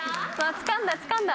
つかんだつかんだ。